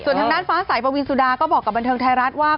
ส่วนทางด้านฟ้าสายปวีนสุดาก็บอกกับบันเทิงไทยรัฐว่า